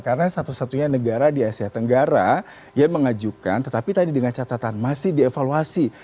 karena satu satunya negara di asia tenggara yang mengajukan tetapi tadi dengan catatan masih dievaluasi